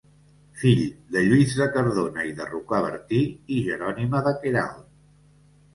Fill de Lluís de Cardona i de Rocabertí i Jerònima de Queralt.